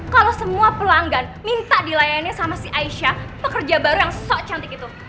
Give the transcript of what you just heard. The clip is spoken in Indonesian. kalau semua pelanggan minta dilayani sama si aisyah pekerja baru yang so cantik itu